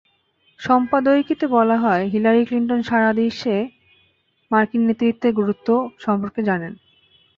সম্পাদকীয়তে বলা হয়, Hillary Clinton সারা বিশ্বে মার্কিন নেতৃত্বের গুরুত্ব সম্পর্কে জানেন।